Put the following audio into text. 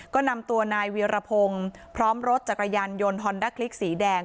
ก็นำตัวนายเวียรพงศ์พร้อมรถจักรยานยนต์ฮอนด้าคลิกสีแดง